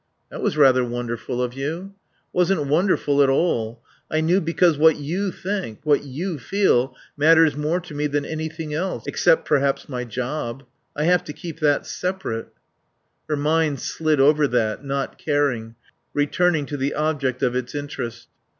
"That was rather wonderful of you." "Wasn't wonderful at all. I knew because what you think, what you feel, matters more to me than anything else. Except perhaps my job. I have to keep that separate." Her mind slid over that, not caring, returning to the object of its interest.